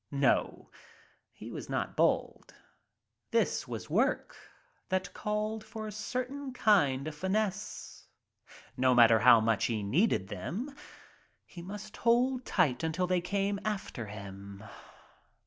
No, he was not bold. This was work that called for a certain kind of finesse. No matter how much ■ ft .■ 60 . A WONDERFUL LOVER he needed them, he must hold tight until they came after^him.